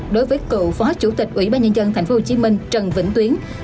đối với cựu phó chủ tịch ủy ban nhân dân tp hcm trần vĩnh tuyến